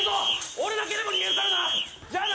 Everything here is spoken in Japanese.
俺だけでも逃げるからな！